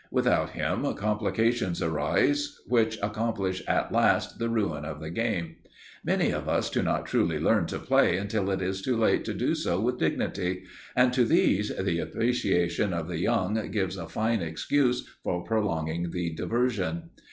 Without him, complications arise which accomplish at last the ruin of the game. Many of us do not truly learn to play until it is too late to do so with dignity, and to these, the appreciation of the young gives a fine excuse for prolonging the diversion.